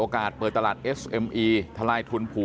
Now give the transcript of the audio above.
การสอบส่วนแล้วนะ